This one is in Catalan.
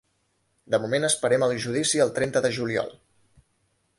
De moment, esperem el judici el trenta de juliol.